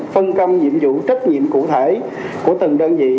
phân công nhiệm vụ trách nhiệm cụ thể của từng đơn vị